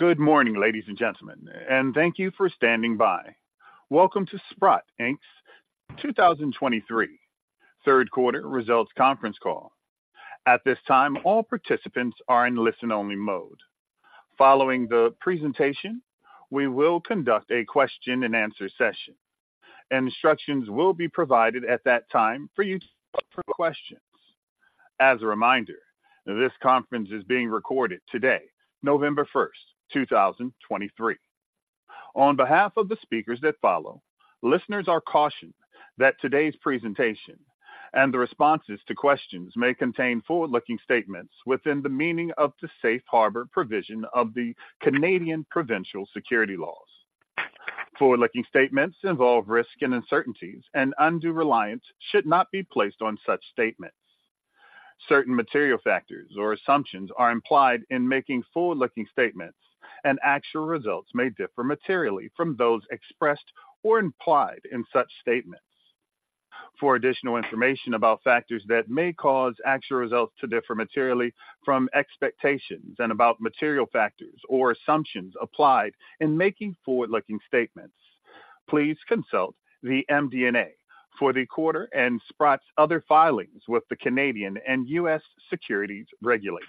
Good morning, ladies and gentlemen, and thank you for standing by. Welcome to Sprott Inc's 2023 third quarter results conference call. At this time, all participants are in listen-only mode. Following the presentation, we will conduct a question-and-answer session. Instructions will be provided at that time for you to ask for questions. As a reminder, this conference is being recorded today, November 1st, 2023. On behalf of the speakers that follow, listeners are cautioned that today's presentation and the responses to questions may contain forward-looking statements within the meaning of the safe harbor provision of the Canadian provincial securities laws. Forward-looking statements involve risk and uncertainties, and undue reliance should not be placed on such statements. Certain material factors or assumptions are implied in making forward-looking statements, and actual results may differ materially from those expressed or implied in such statements. For additional information about factors that may cause actual results to differ materially from expectations and about material factors or assumptions applied in making forward-looking statements, please consult the MD&A for the quarter and Sprott's other filings with the Canadian and U.S. securities regulators.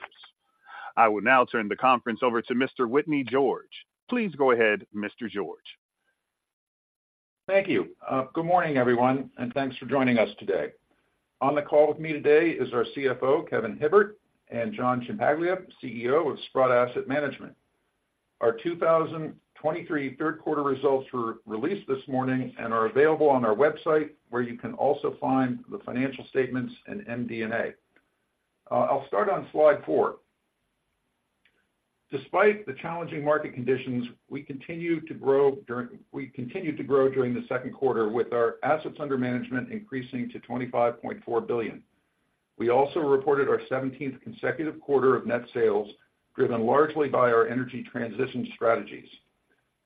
I will now turn the conference over to Mr. Whitney George. Please go ahead, Mr. George. Thank you. Good morning, everyone, and thanks for joining us today. On the call with me today is our CFO, Kevin Hibbert, and John Ciampaglia, CEO of Sprott Asset Management. Our 2023 third quarter results were released this morning and are available on our website, where you can also find the financial statements and MD&A. I'll start on slide four. Despite the challenging market conditions, we continued to grow during the second quarter with our assets under management increasing to $25.4 billion. We also reported our 17th consecutive quarter of net sales, driven largely by our energy transition strategies.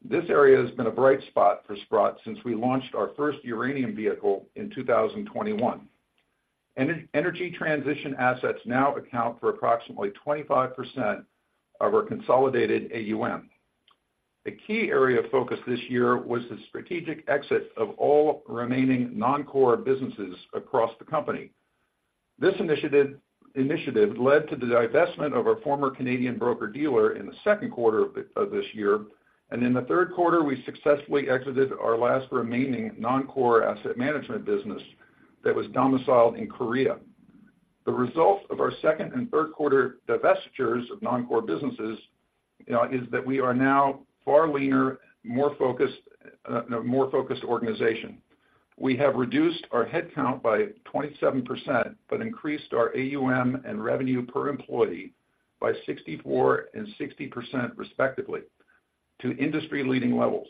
This area has been a bright spot for Sprott since we launched our first uranium vehicle in 2021. Energy transition assets now account for approximately 25% of our consolidated AUM. A key area of focus this year was the strategic exit of all remaining non-core businesses across the company. This initiative led to the divestment of our former Canadian broker-dealer in the second quarter of this year, and in the third quarter, we successfully exited our last remaining non-core asset management business that was domiciled in Korea. The results of our second and third quarter divestitures of non-core businesses is that we are now far leaner, more focused, more focused organization. We have reduced our headcount by 27%, but increased our AUM and revenue per employee by 64 and 60%, respectively, to industry-leading levels.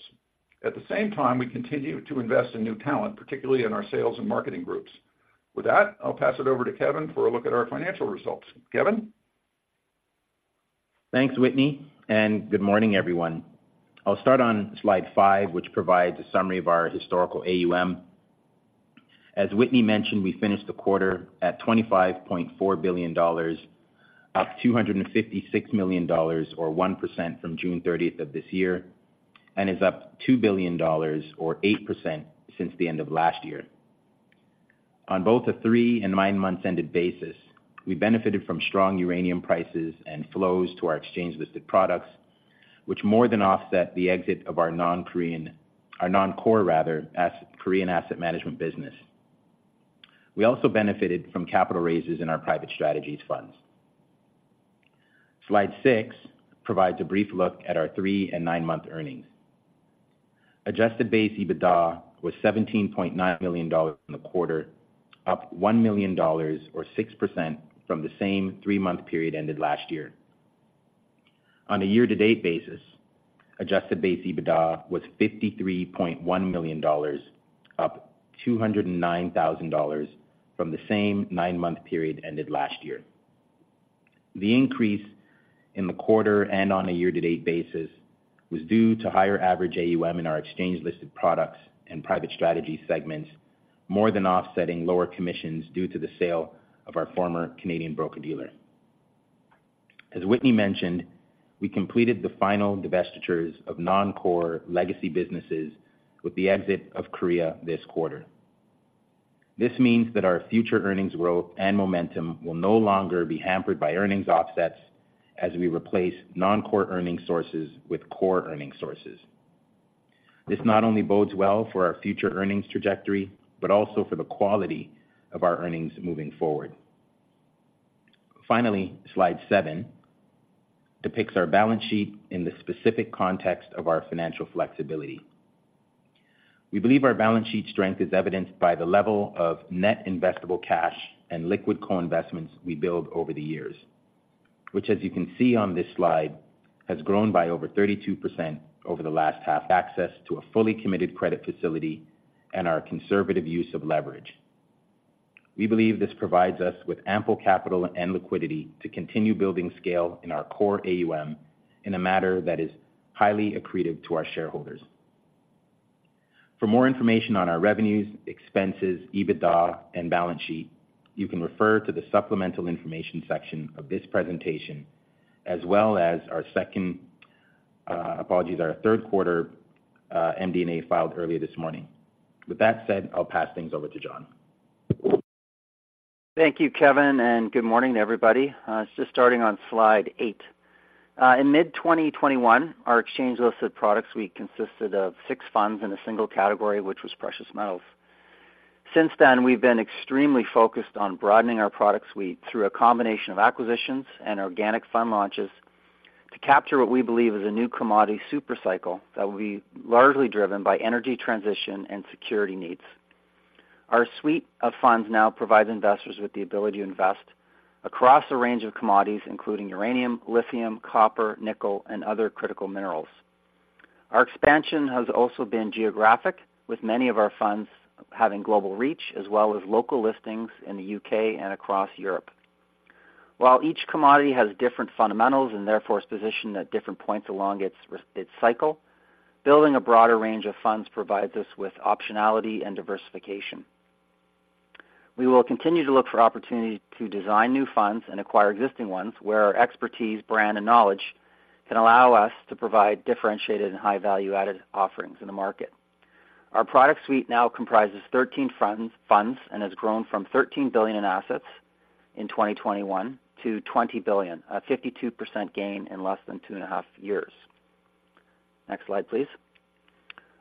At the same time, we continue to invest in new talent, particularly in our sales and marketing groups. With that, I'll pass it over to Kevin for a look at our financial results. Kevin? Thanks, Whitney, and good morning, everyone. I'll start on slide five, which provides a summary of our historical AUM. As Whitney mentioned, we finished the quarter at $25.4 billion, up $256 million or 1% from June 30th of this year, and is up $2 billion or 8% since the end of last year. On both the three and nine-months ended basis, we benefited from strong uranium prices and flows to our exchange-listed products, which more than offset the exit of our non-core, rather, as Korean asset management business. We also benefited from capital raises in our private strategies funds. Slide six provides a brief look at our three and nine-month earnings. Adjusted base EBITDA was $17.9 million in the quarter, up $1 million or 6% from the same three-month period ended last year. On a year-to-date basis, adjusted base EBITDA was $53.1 million, up $209,000 from the same nine-month period ended last year. The increase in the quarter and on a year-to-date basis was due to higher average AUM in our exchange-listed products and private strategy segments, more than offsetting lower commissions due to the sale of our former Canadian broker-dealer. As Whitney mentioned, we completed the final divestitures of non-core legacy businesses with the exit of Korea this quarter. This means that our future earnings growth and momentum will no longer be hampered by earnings offsets as we replace non-core earning sources with core earning sources. This not only bodes well for our future earnings trajectory, but also for the quality of our earnings moving forward. Finally, slide seven depicts our balance sheet in the specific context of our financial flexibility. We believe our balance sheet strength is evidenced by the level of net investable cash and liquid co-investments we build over the years, which, as you can see on this slide, has grown by over 32% over the last half access to a fully committed credit facility and our conservative use of leverage. We believe this provides us with ample capital and liquidity to continue building scale in our core AUM in a manner that is highly accretive to our shareholders. For more information on our revenues, expenses, EBITDA, and balance sheet, you can refer to the supplemental information section of this presentation, as well as our second, apologies, our third quarter MD&A filed earlier this morning. With that said, I'll pass things over to John. Thank you, Kevin, and good morning to everybody. Just starting on slide eight. In mid-2021, our exchange-listed products suite consisted of six funds in a single category, which was precious metals. Since then, we've been extremely focused on broadening our product suite through a combination of acquisitions and organic fund launches, to capture what we believe is a new commodity super cycle that will be largely driven by energy transition and security needs. Our suite of funds now provides investors with the ability to invest across a range of commodities, including uranium, lithium, copper, nickel, and other critical minerals. Our expansion has also been geographic, with many of our funds having global reach, as well as local listings in the U.K. and across Europe. While each commodity has different fundamentals and therefore is positioned at different points along its cycle, building a broader range of funds provides us with optionality and diversification. We will continue to look for opportunities to design new funds and acquire existing ones, where our expertise, brand, and knowledge can allow us to provide differentiated and high value-added offerings in the market. Our product suite now comprises 13 funds, funds and has grown from $13 billion in assets in 2021 to $20 billion, a 52% gain in less than 2.5 years. Next slide, please.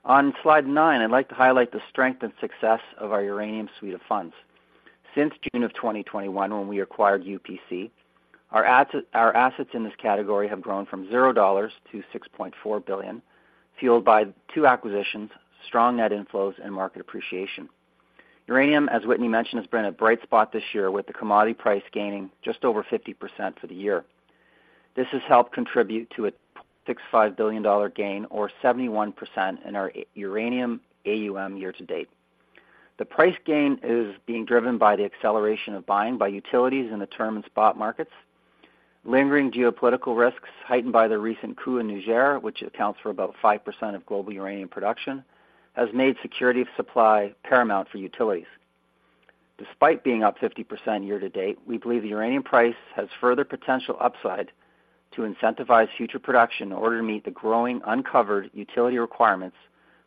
On slide nine, I'd like to highlight the strength and success of our uranium suite of funds. Since June of 2021, when we acquired UPC, our asset, our assets in this category have grown from $0 to $6.4 billion, fueled by two acquisitions, strong net inflows, and market appreciation. Uranium, as Whitney mentioned, has been a bright spot this year, with the commodity price gaining just over 50% for the year. This has helped contribute to a $6.5 billion gain or 71% in our uranium AUM year to date. The price gain is being driven by the acceleration of buying by utilities in the term and spot markets. Lingering geopolitical risks, heightened by the recent coup in Niger, which accounts for about 5% of global uranium production, has made security of supply paramount for utilities. Despite being up 50% year to date, we believe the uranium price has further potential upside to incentivize future production in order to meet the growing uncovered utility requirements,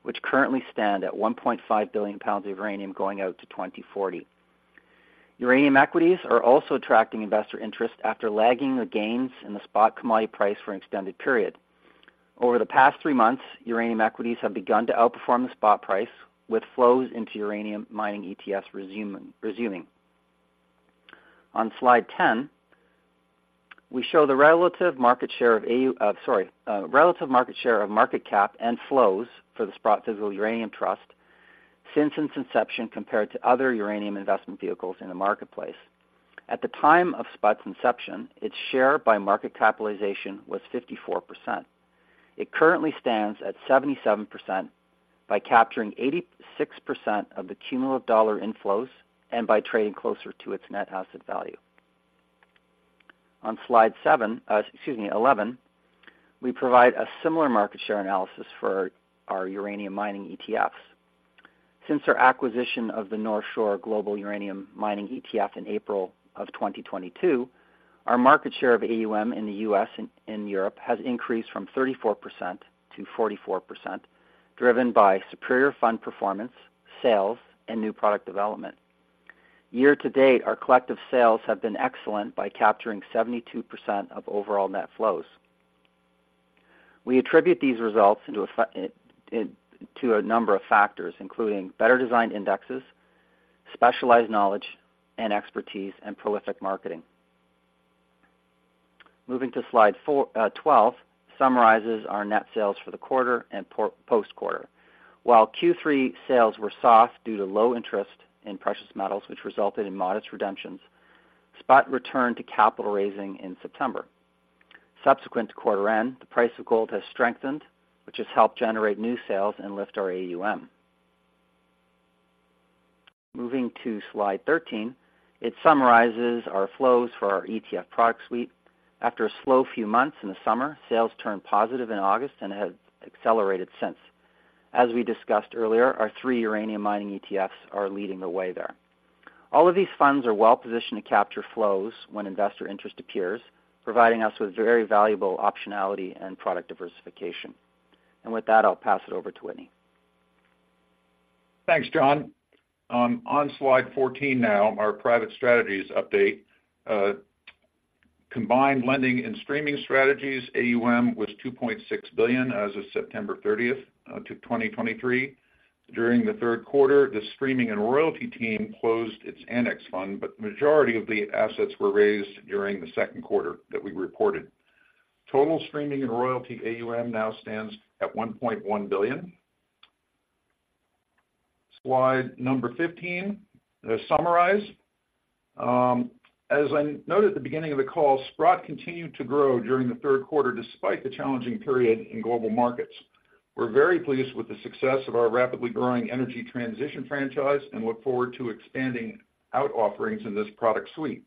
which currently stand at 1.5 billion pounds of uranium going out to 2040. Uranium equities are also attracting investor interest after lagging the gains in the spot commodity price for an extended period. Over the past three months, uranium equities have begun to outperform the spot price, with flows into uranium mining ETFs resuming. On slide 10, we show the relative market share of market cap and flows for the Sprott Physical Uranium Trust since its inception, compared to other uranium investment vehicles in the marketplace. At the time of Sprott's inception, its share by market capitalization was 54%. It currently stands at 77% by capturing 86% of the cumulative dollar inflows and by trading closer to its net asset value. On slide seven, excuse me, 11, we provide a similar market share analysis for our uranium mining ETFs. Since our acquisition of the North Shore Global Uranium Mining ETF in April of 2022, our market share of AUM in the U.S. and Europe has increased from 34% to 44%, driven by superior fund performance, sales, and new product development. Year to date, our collective sales have been excellent by capturing 72% of overall net flows. We attribute these results to a number of factors, including better design indexes, specialized knowledge and expertise, and prolific marketing. Moving to slide four, 12, summarizes our net sales for the quarter and post-quarter. While Q3 sales were soft due to low interest in precious metals, which resulted in modest redemptions, Sprott returned to capital raising in September. Subsequent to quarter end, the price of gold has strengthened, which has helped generate new sales and lift our AUM. Moving to slide 13, it summarizes our flows for our ETF product suite. After a slow few months in the summer, sales turned positive in August and have accelerated since. As we discussed earlier, our three uranium mining ETFs are leading the way there. All of these funds are well positioned to capture flows when investor interest appears, providing us with very valuable optionality and product diversification. With that, I'll pass it over to Whitney. Thanks, John. On slide 14 now, our private strategies update. Combined lending and streaming strategies, AUM was $2.6 billion as of September 30, 2023. During the third quarter, the streaming and royalty team closed its Annex Fund, but the majority of the assets were raised during the second quarter that we reported. Total streaming and royalty AUM now stands at $1.1 billion. Slide number 15, to summarize, as I noted at the beginning of the call, Sprott continued to grow during the third quarter, despite the challenging period in global markets. We're very pleased with the success of our rapidly growing energy transition franchise and look forward to expanding out offerings in this product suite.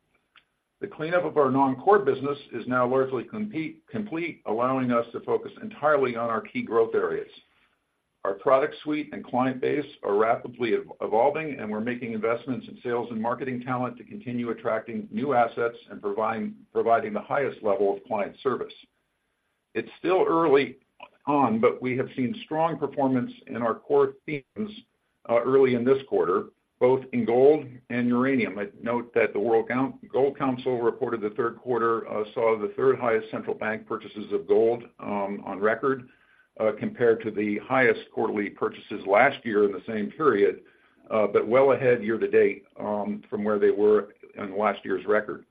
The cleanup of our non-core business is now largely complete, allowing us to focus entirely on our key growth areas. Our product suite and client base are rapidly evolving, and we're making investments in sales and marketing talent to continue attracting new assets and providing the highest level of client service. It's still early on, but we have seen strong performance in our core themes early in this quarter, both in gold and uranium. I'd note that the World Gold Council reported the third quarter saw the third highest central bank purchases of gold on record compared to the highest quarterly purchases last year in the same period, but well ahead year to date from where they were in last year's record.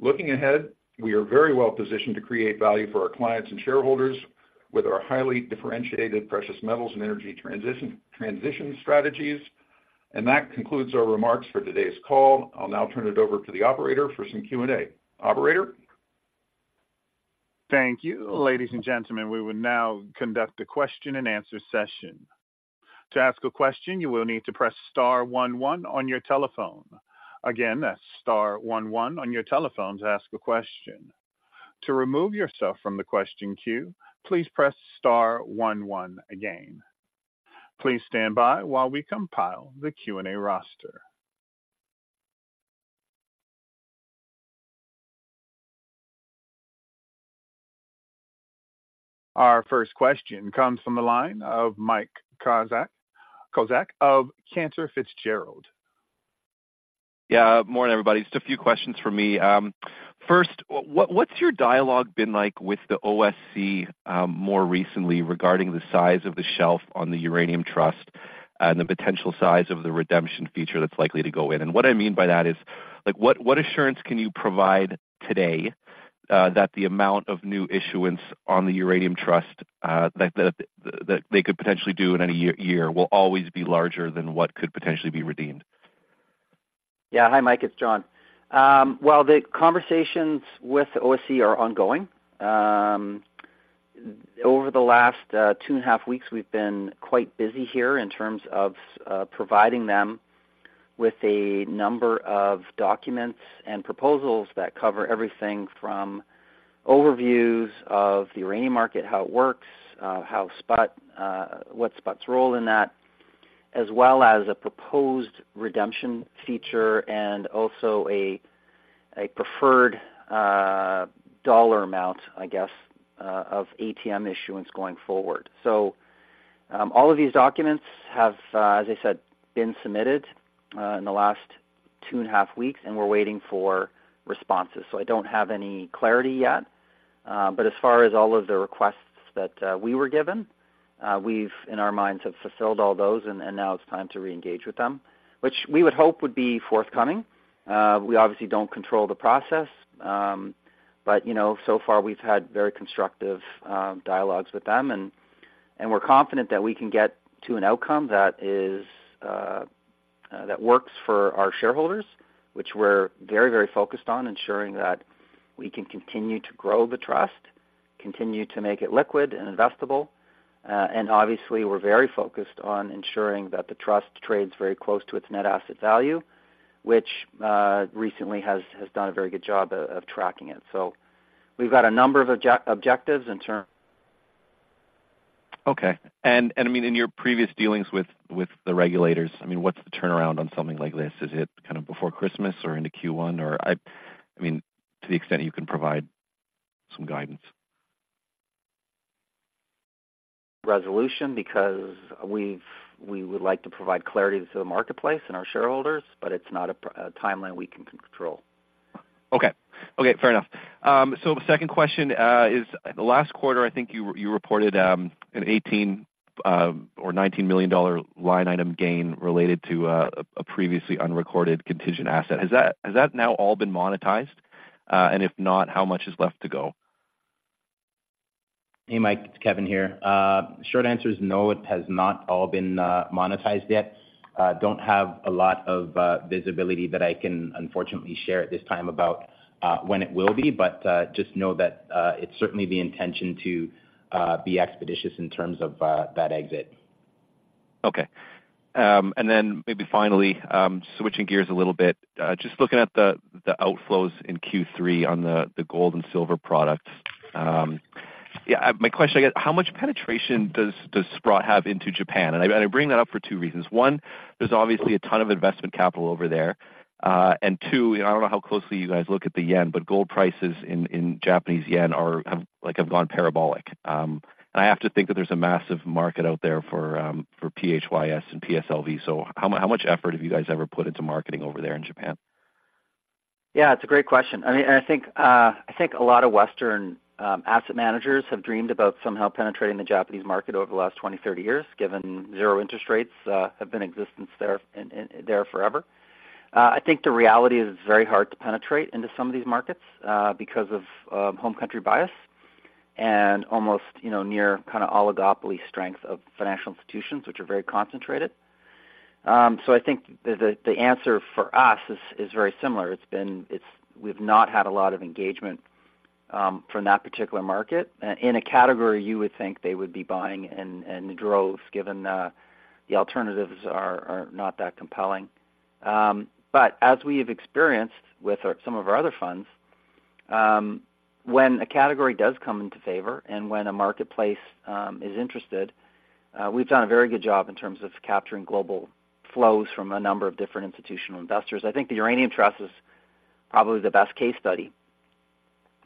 Looking ahead, we are very well positioned to create value for our clients and shareholders with our highly differentiated precious metals and energy transition strategies. And that concludes our remarks for today's call. I'll now turn it over to the operator for some Q&A. Operator? Thank you. Ladies and gentlemen, we will now conduct a question-and-answer session. To ask a question, you will need to press star one, one on your telephone. Again, that's star one, one on your telephone to ask a question. To remove yourself from the question queue, please press star one, one again. Please stand by while we compile the Q&A roster. Our first question comes from the line of Mike Kozak of Cantor Fitzgerald. Yeah. Morning, everybody. Just a few questions for me. First, what's your dialogue been like with the OSC more recently regarding the size of the shelf on the Uranium Trust, and the potential size of the redemption feature that's likely to go in? And what I mean by that is, like, what assurance can you provide today that the amount of new issuance on the Uranium Trust that they could potentially do in any year will always be larger than what could potentially be redeemed? Yeah. Hi, Mike, it's John. Well, the conversations with OSC are ongoing. Over the last two and a half weeks, we've been quite busy here in terms of providing them with a number of documents and proposals that cover everything from overviews of the uranium market, how it works, how spot, what's spot's role in that, as well as a proposed redemption feature and also a preferred dollar amount, I guess, of ATM issuance going forward. So, all of these documents have, as I said, been submitted in the last two and a half weeks, and we're waiting for responses. So I don't have any clarity yet, but as far as all of the requests that we were given, we've, in our minds, have fulfilled all those, and now it's time to reengage with them, which we would hope would be forthcoming. We obviously don't control the process, but you know, so far, we've had very constructive dialogues with them. And we're confident that we can get to an outcome that is, that works for our shareholders, which we're very, very focused on ensuring that we can continue to grow the trust, continue to make it liquid and investable. And obviously, we're very focused on ensuring that the trust trades very close to its net asset value, which recently has done a very good job of tracking it. So we've got a number of objectives in term Okay. And I mean, in your previous dealings with the regulators, I mean, what's the turnaround on something like this? Is it kind of before Christmas or into Q1? Or I mean, to the extent you can provide some guidance. Resolution, because we would like to provide clarity to the marketplace and our shareholders, but it's not a timeline we can control. Okay. Okay, fair enough. So the second question is last quarter, I think you, you reported a $18 or $19 million line item gain related to a previously unrecorded contingent asset. Has that, has that now all been monetized? And if not, how much is left to go? Hey, Mike, it's Kevin here. Short answer is no, it has not all been monetized yet. Don't have a lot of visibility that I can unfortunately share at this time about when it will be, but just know that it's certainly the intention to be expeditious in terms of that exit. Okay. And then maybe finally, switching gears a little bit, just looking at the outflows in Q3 on the gold and silver products. Yeah, my question, I guess, how much penetration does Sprott have into Japan? And I bring that up for two reasons: one, there's obviously a ton of investment capital over there, and two, you know, I don't know how closely you guys look at the yen, but gold prices in Japanese yen have, like, gone parabolic. And I have to think that there's a massive market out there for PHYS and PSLV. So how much effort have you guys ever put into marketing over there in Japan? Yeah, it's a great question. I mean, and I think a lot of Western asset managers have dreamed about somehow penetrating the Japanese market over the last 20, 30 years, given zero interest rates have been in existence there forever. I think the reality is, it's very hard to penetrate into some of these markets because of home country bias and almost, you know, near kind of oligopoly strength of financial institutions, which are very concentrated. So I think the answer for us is very similar. It's been. We've not had a lot of engagement from that particular market in a category you would think they would be buying in droves, given the alternatives are not that compelling. But as we've experienced with some of our other funds, when a category does come into favor and when a marketplace is interested, we've done a very good job in terms of capturing global flows from a number of different institutional investors. I think the Uranium Trust is probably the best-case study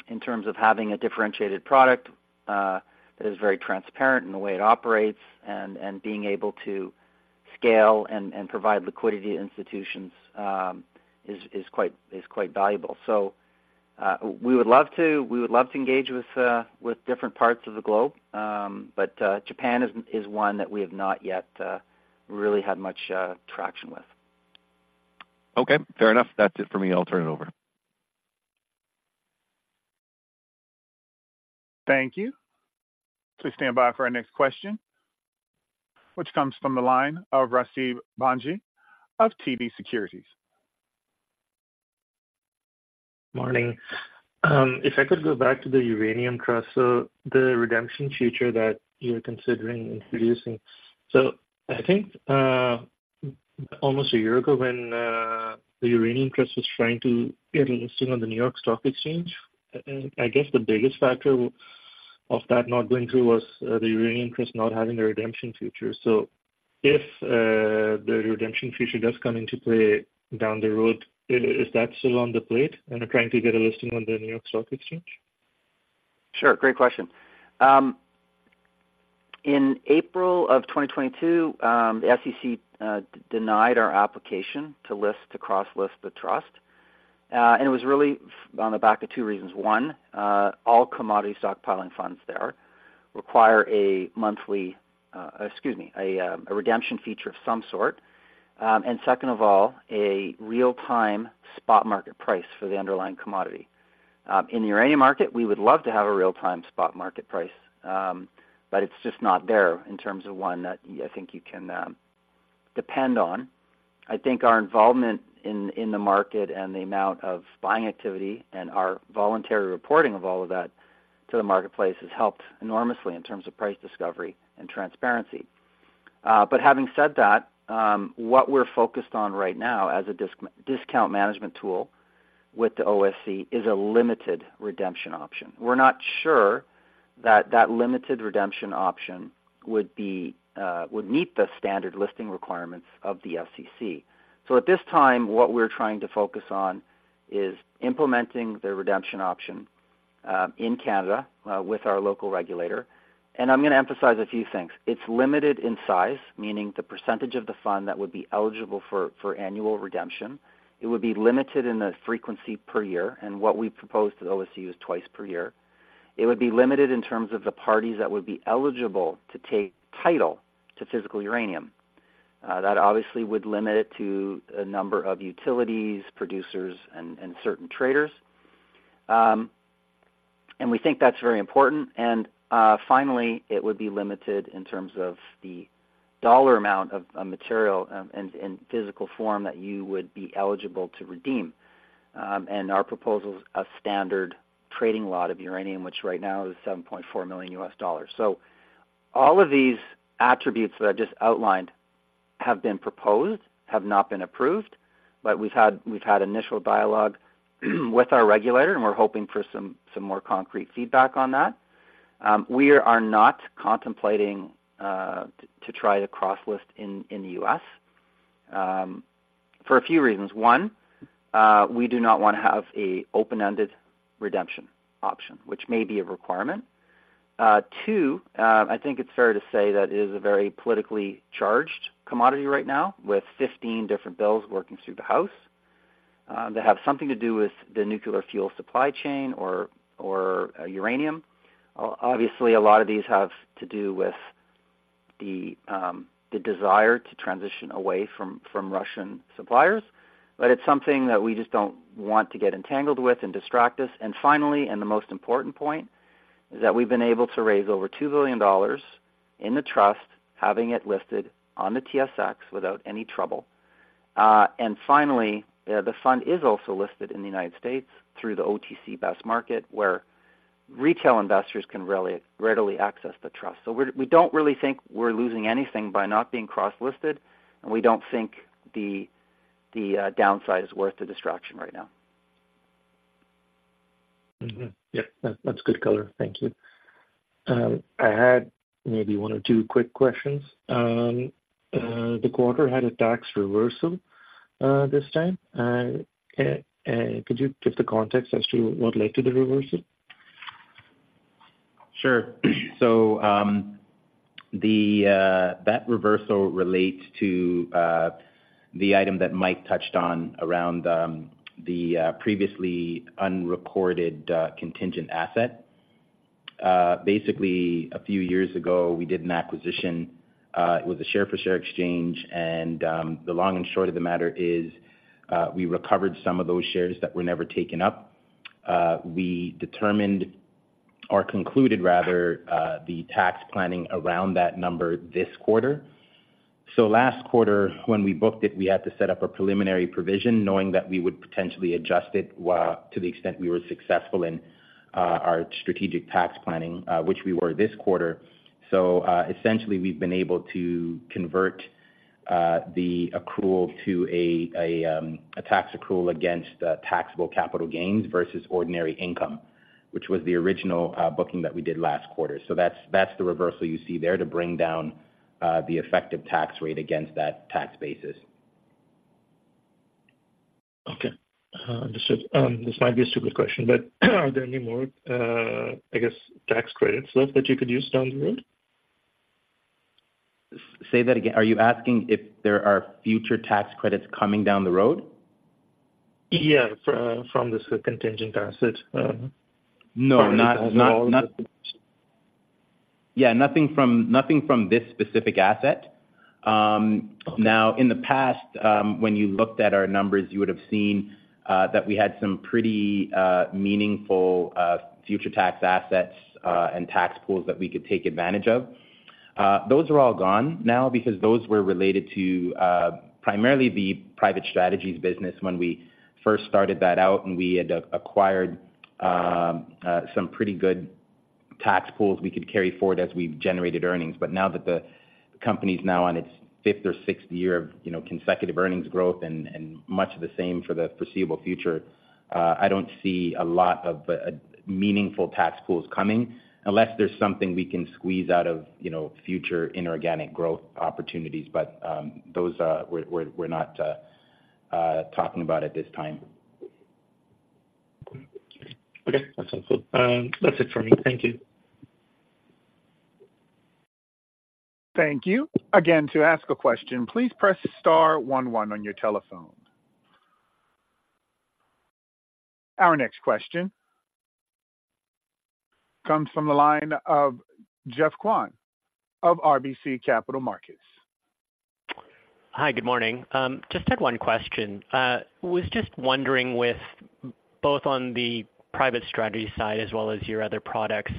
in terms of having a differentiated product that is very transparent in the way it operates, and being able to scale and provide liquidity to institutions is quite valuable. So we would love to engage with different parts of the globe, but Japan is one that we have not yet really had much traction with. Okay, fair enough. That's it for me. I'll turn it over. Thank you. Please stand by for our next question, which comes from the line of Rasib Bhanji of TD Securities. Morning. If I could go back to the Uranium Trust, so the redemption feature that you're considering introducing. So I think almost a year ago, when the Uranium Trust was trying to get listed on the New York Stock Exchange, I guess the biggest factor of that not going through was the Uranium Trust not having a redemption feature. So if the redemption feature does come into play down the road, is that still on the plate and are trying to get a listing on the New York Stock Exchange? Sure. Great question. In April of 2022, the SEC denied our application to list—to cross-list the trust. It was really on the back of two reasons: One, all commodity stockpiling funds there require a redemption feature of some sort. And second of all, a real-time spot market price for the underlying commodity. In the uranium market, we would love to have a real-time spot market price, but it's just not there in terms of one that I think you can depend on. I think our involvement in the market and the amount of buying activity and our voluntary reporting of all of that to the marketplace has helped enormously in terms of price discovery and transparency. But having said that, what we're focused on right now as a discount management tool with the OSC, is a limited redemption option. We're not sure that that limited redemption option would be, would meet the standard listing requirements of the SEC. So at this time, what we're trying to focus on is implementing the redemption option, in Canada, with our local regulator. And I'm going to emphasize a few things. It's limited in size, meaning the percentage of the fund that would be eligible for, for annual redemption. It would be limited in the frequency per year, and what we propose to the OSC is twice per year. It would be limited in terms of the parties that would be eligible to take title to physical uranium. That obviously would limit it to a number of utilities, producers, and certain traders. We think that's very important. Finally, it would be limited in terms of the dollar amount of material in physical form that you would be eligible to redeem. Our proposal is a standard trading lot of uranium, which right now is $7.4 million. So all of these attributes that I just outlined have been proposed, have not been approved, but we've had initial dialogue with our regulator, and we're hoping for some more concrete feedback on that. We are not contemplating to try to cross-list in the U.S. for a few reasons. One, we do not want to have an open-ended redemption option, which may be a requirement. Two, I think it's fair to say that it is a very politically charged commodity right now, with 15 different bills working through the House, that have something to do with the nuclear fuel supply chain or, or uranium. Obviously, a lot of these have to do with the desire to transition away from Russian suppliers, but it's something that we just don't want to get entangled with and distract us. And finally, and the most important point, is that we've been able to raise over $2 billion in the trust, having it listed on the TSX without any trouble. And finally, the fund is also listed in the United States through the OTCQX Best Market, where retail investors can really readily access the trust. So we don't really think we're losing anything by not being cross-listed, and we don't think the downside is worth the distraction right now. Mm-hmm. Yeah, that's good color. Thank you. I had maybe one or two quick questions. The quarter had a tax reversal this time. Could you give the context as to what led to the reversal? Sure. So, that reversal relates to the item that Mike touched on around the previously unreported contingent asset. Basically, a few years ago, we did an acquisition with a share for share exchange, and the long and short of the matter is, we recovered some of those shares that were never taken up. We determined- or concluded rather, the tax planning around that number this quarter. So last quarter, when we booked it, we had to set up a preliminary provision, knowing that we would potentially adjust it, while to the extent we were successful in our strategic tax planning, which we were this quarter. So, essentially, we've been able to convert the accrual to a tax accrual against taxable capital gains versus ordinary income, which was the original booking that we did last quarter. So that's the reversal you see there to bring down the effective tax rate against that tax basis. Okay. This might be a stupid question, but are there any more, I guess, tax credits left that you could use down the road? Say that again. Are you asking if there are future tax credits coming down the road? Yeah, from this contingent asset, No, yeah, nothing from this specific asset. Now, in the past, when you looked at our numbers, you would have seen that we had some pretty meaningful future tax assets and tax pools that we could take advantage of. Those are all gone now because those were related to primarily the private strategies business when we first started that out, and we had acquired some pretty good tax pools we could carry forward as we've generated earnings. But now that the company's now on its fifth or sixth year of, you know, consecutive earnings growth and much of the same for the foreseeable future, I don't see a lot of meaningful tax pools coming unless there's something we can squeeze out of, you know, future inorganic growth opportunities. But those, we're not talking about at this time. Okay, that's helpful. That's it for me. Thank you. Thank you. Again, to ask a question, please press star one one on your telephone. Our next question comes from the line of Geoff Kwan of RBC Capital Markets. Hi, good morning. Just had one question. Was just wondering with both on the private strategy side, as well as your other products,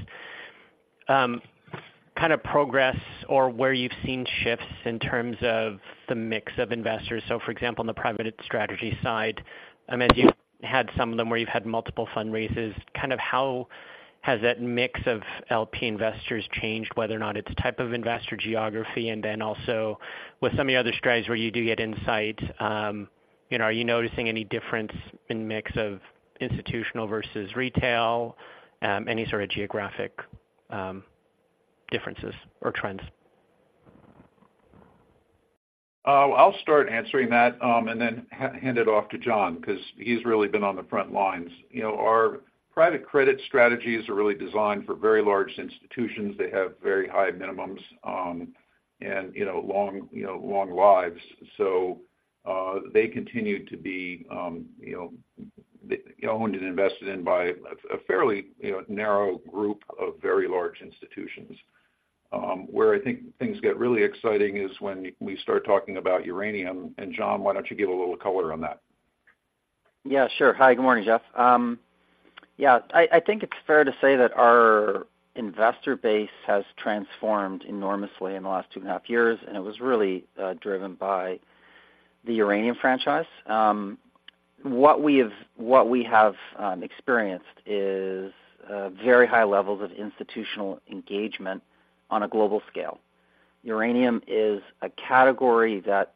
kind of progress or where you've seen shifts in terms of the mix of investors. So for example, on the private strategy side, I mean, you've had some of them where you've had multiple fundraises. Kind of how has that mix of LP investors changed, whether or not it's a type of investor geography? And then also, with some of the other strategies where you do get insight, you know, are you noticing any difference in mix of institutional versus retail? Any sort of geographic, differences or trends? I'll start answering that, and then hand it off to John, 'cause he's really been on the front lines. You know, our private credit strategies are really designed for very large institutions. They have very high minimums, and, you know, long, you know, long lives. So, they continue to be, you know, owned and invested in by a, a fairly, you know, narrow group of very large institutions. Where I think things get really exciting is when we start talking about uranium, and John, why don't you give a little color on that? Yeah, sure. Hi, good morning, Geoff. Yeah, I think it's fair to say that our investor base has transformed enormously in the last 2.5 years, and it was really driven by the uranium franchise. What we have experienced is very high levels of institutional engagement on a global scale. Uranium is a category that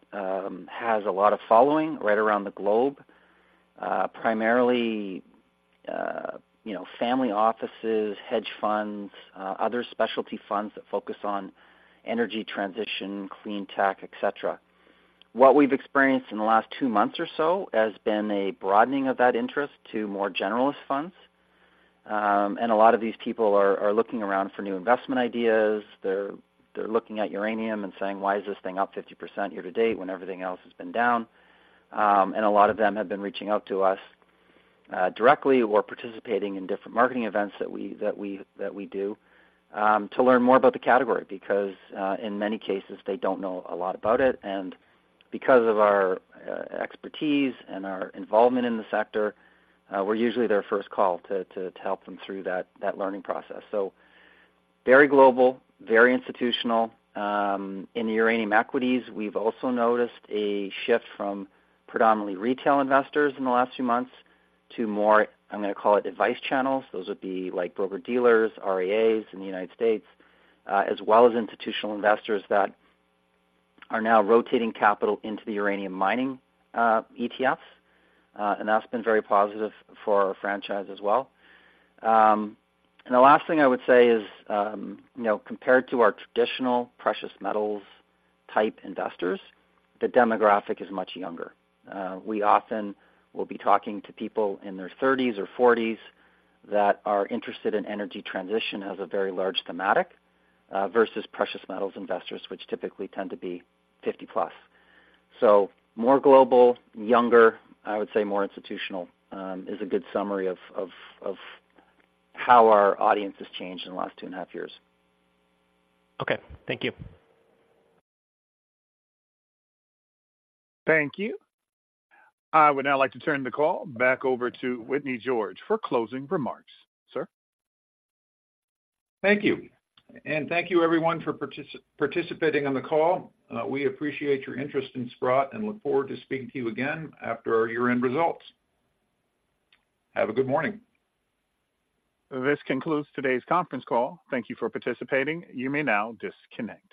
has a lot of following right around the globe, primarily, you know, family offices, hedge funds, other specialty funds that focus on energy transition, clean tech, et cetera. What we've experienced in the last two months or so has been a broadening of that interest to more generalist funds. And a lot of these people are looking around for new investment ideas. They're looking at uranium and saying: Why is this thing up 50% year to date when everything else has been down? And a lot of them have been reaching out to us directly or participating in different marketing events that we do to learn more about the category, because in many cases, they don't know a lot about it. And because of our expertise and our involvement in the sector, we're usually their first call to help them through that learning process. So very global, very institutional. In the uranium equities, we've also noticed a shift from predominantly retail investors in the last few months to more, I'm gonna call it, advice channels. Those would be like broker-dealers, RIAs in the United States, as well as institutional investors that are now rotating capital into the uranium mining ETFs, and that's been very positive for our franchise as well. And the last thing I would say is, you know, compared to our traditional precious metals type investors, the demographic is much younger. We often will be talking to people in their 30s or 40s that are interested in energy transition as a very large thematic, versus precious metals investors, which typically tend to be 50+. So more global, younger, I would say more institutional, is a good summary of how our audience has changed in the last 2.5 years. Okay. Thank you. Thank you. I would now like to turn the call back over to Whitney George for closing remarks. Sir? Thank you. Thank you everyone for participating on the call. We appreciate your interest in Sprott and look forward to speaking to you again after our year-end results. Have a good morning. This concludes today's conference call. Thank you for participating. You may now disconnect.